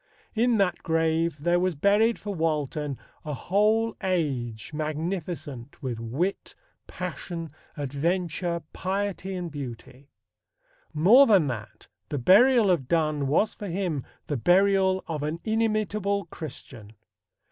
In that grave there was buried for Walton a whole age magnificent with wit, passion, adventure, piety and beauty. More than that, the burial of Donne was for him the burial of an inimitable Christian.